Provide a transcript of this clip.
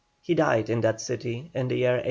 He died in that city in the year 1872.